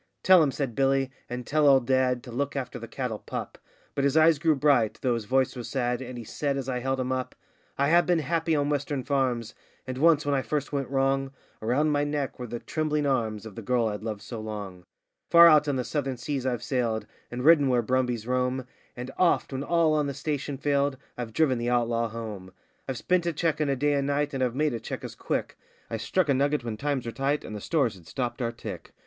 Tell 'em,' said Billy, 'and tell old dad, to look after the cattle pup;' But his eyes grew bright, though his voice was sad, and he said, as I held him up: 'I have been happy on western farms. And once, when I first went wrong, Around my neck were the trembling arms of the girl I'd loved so long. Far out on the southern seas I've sailed, and ridden where brumbies roam, And oft, when all on the station failed, I've driven the outlaw home. I've spent a cheque in a day and night, and I've made a cheque as quick; I struck a nugget when times were tight, and the stores had stopped our tick.